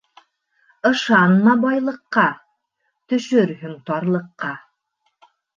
Ышанма байлыҡҡа, төшөрһөң тарлыҡҡа.